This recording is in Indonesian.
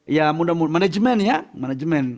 ya mudah mudahan manajemen ya manajemen